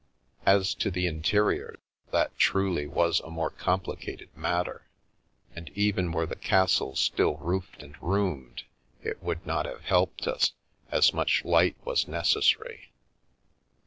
As to the interior, that truly was a more complicated mat ter, and even were the castle still roofed and roomed, it would not have helped us, as much light was necessary.